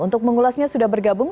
untuk mengulasnya sudah bergabung